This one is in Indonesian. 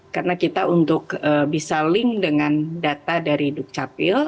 karena kita untuk bisa link dengan data dari dukcapil